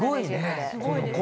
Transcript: すごいね！